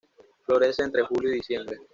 Florece entre julio y diciembre.